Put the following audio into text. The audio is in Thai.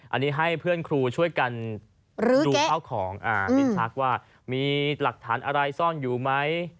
อันนี้ให้เพื่อนครูช่วยกันดูข้าวของที่ชักว่ามีหลักฐานอะไรซ่อนอยู่ไหม